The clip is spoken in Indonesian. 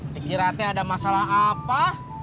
dikiratnya ada masalah apa